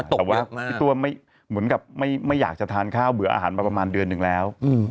แต่ว่าพี่ตัวไม่เหมือนกับไม่อยากจะทานข้าวเบื่ออาหารมาประมาณเดือนหนึ่งแล้ว